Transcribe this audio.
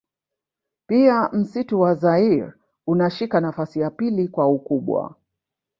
Pia msitu wa zaire unashika nafasi ya pili kwa ukubwa